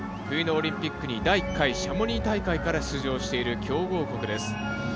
冬のオリンピックに第１回シャモニー大会から出場している強豪国です。